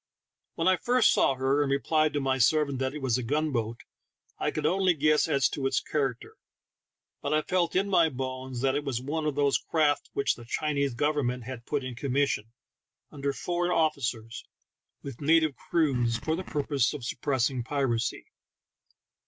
When I first saw her, and replied to my servant that it was a gunboat, I could only guess as to its character, but I felt in my bones that it was one of those craft which the Chinese government had put in commission, under foreign officers, with native crews, for the purpose of suppressing piracy.